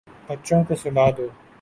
بچوں کو سلا دو